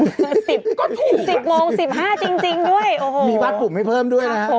ก็ถูกครับมีวัดปุ่มให้เพิ่มด้วยนะครับโอ้โห